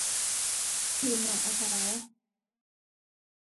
Pino okaya.